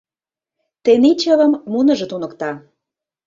Тений чывым муныжо туныкта...